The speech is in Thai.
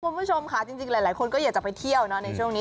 คุณผู้ชมค่ะจริงหลายคนก็อยากจะไปเที่ยวนะในช่วงนี้